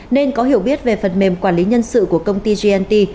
nên có hiểu biết về phần mềm quản lý nhân sự của công ty gnt